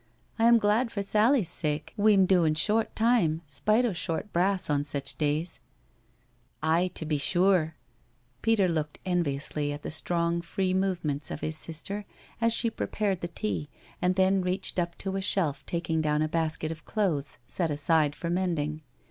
I am glad for Sally's sake we'm doin' short time, spite of short brass on sech days," "Aye to be sure I" Peter looked enviously at the strong free movements of his sister as she prepared the tea, and then reached up to a shelf taking down a basket of clothes set aside for mending.